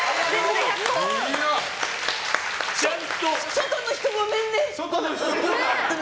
外の人、ごめんね！